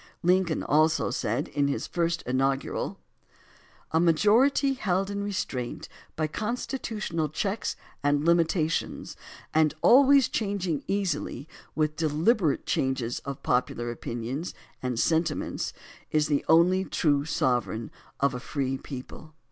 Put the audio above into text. Lincoln also said, in his first inaugural: A majority held in restraint by constitutional checks and limitations, and always changing easily with deliberate changes of popular opinions and sentiments, is the only trlife sovereign of a free people.